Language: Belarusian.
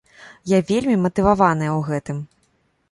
Я вельмі матываваная ў гэтым.